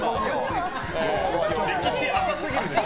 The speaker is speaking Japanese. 歴史浅すぎるでしょ。